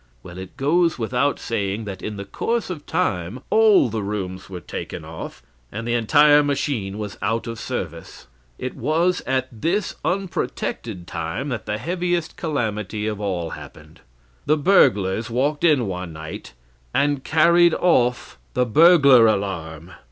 Well, it goes without saying that in the course of time all the rooms were taken off, and the entire machine was out of service. "It was at this unprotected time that the heaviest calamity of all happened. The burglars walked in one night and carried off the burglar alarm!